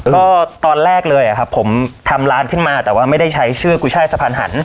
ก็ตอนแรกเลยอะครับผมทำร้านขึ้นมาแต่ว่าไม่ได้ใช้ชื่อกุช่ายสะพานหัน